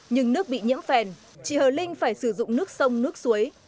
nhưng nước bị nhiễm phèn chị hờ linh phải sử dụng nước sông nước suối